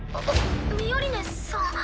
ミオリネさん。